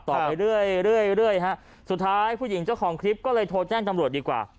ต่อไปเรื่อยฮะสุดท้ายผู้หญิงเจ้าของคลิปก็เลยโทรแจ้งตำรวจดีกว่า